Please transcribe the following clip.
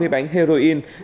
hai mươi bánh heroin